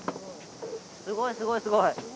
すごいすごいすごい。